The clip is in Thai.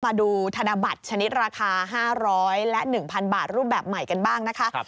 มาดูธนบัตรชนิดราคา๕๐๐และ๑๐๐บาทรูปแบบใหม่กันบ้างนะคะ